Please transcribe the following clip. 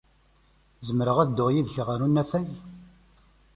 Zemreɣ ad dduɣ yid-k ɣer unafag?